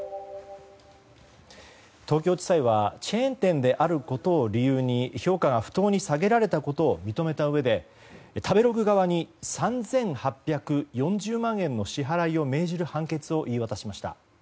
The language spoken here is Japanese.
東京地裁はチェーン店であることを理由に評価が不当に下げられたことを認めたうえで食べログ側に３８４０万円の支払いを命じる判決を言い渡しました。